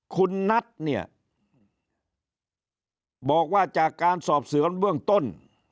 คุณนัทเนี่ยบอกว่าจากการสอบสวนเบื้องต้น